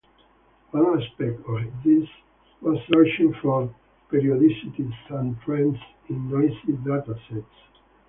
One aspect of this was searching for periodicities and trends in noisy data sets.